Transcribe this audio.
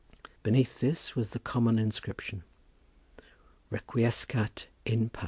Beneath this was the common inscription, "_Requiescat in pace.